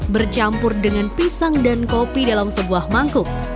bercampur dengan pisang dan kopi dalam sebuah mangkuk